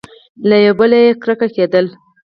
له یوه بله یې کرکه کېدله !